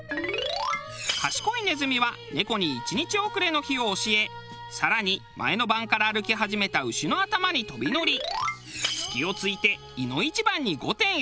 賢いネズミはネコに１日遅れの日を教え更に前の晩から歩き始めた牛の頭に飛び乗り隙をついていの一番に御殿へ到着。